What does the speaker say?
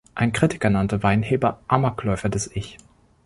Ein Kritiker nannte Weinheber „Amokläufer des Ich“.